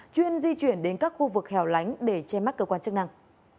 chuyên di chuyển đến các khu vực hẻo lánh để che mắt cơ quan chức năng